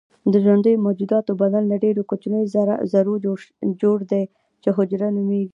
د ژوندیو موجوداتو بدن له ډیرو کوچنیو ذرو جوړ دی چې حجره نومیږي